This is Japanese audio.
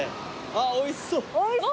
あっおいしそう。